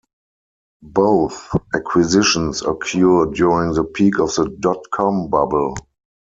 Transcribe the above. Both acquisitions occurred during the peak of the dot-com bubble.